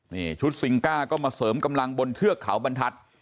นี่ชุดซิงก้าก็มาเสริมกำลังบนเทือกเขาบรรทัศน์